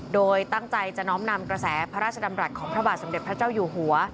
โดยตั้งใจจะน้อมนำกระแสพระราชดำรัฐของพระบาทสมเด็จพระเจ้าอยู่หัว